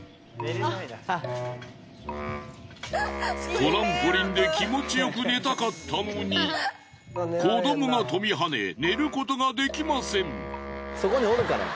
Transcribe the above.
トランポリンで気持ちよく寝たかったのに子どもが跳びはね寝ることができません。